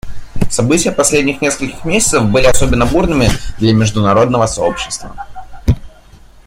События последних нескольких месяцев были особенно бурными для международного сообщества.